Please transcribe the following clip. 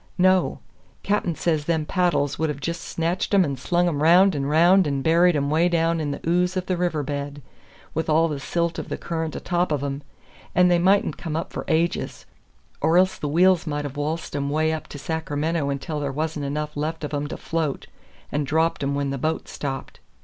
"No. Cap'n says them paddles would hev' just snatched 'em and slung 'em round and round and buried 'em way down in the ooze of the river bed, with all the silt of the current atop of 'em, and they mightn't come up for ages; or else the wheels might have waltzed 'em way up to Sacramento until there wasn't enough left of 'em to float, and dropped 'em when the boat stopped."